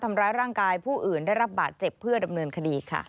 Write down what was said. ทำร้ายร่างกายผู้อื่นได้รับบาดเจ็บเพื่อดำเนินคดีค่ะ